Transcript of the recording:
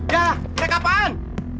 yah mereka kapan